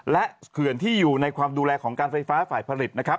และเขื่อนที่อยู่ในความดูแลของการไฟฟ้าฝ่ายผลิตนะครับ